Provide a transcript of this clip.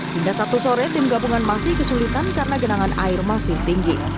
hingga sabtu sore tim gabungan masih kesulitan karena genangan air masih tinggi